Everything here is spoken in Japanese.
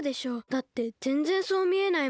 だってぜんぜんそうみえないもん。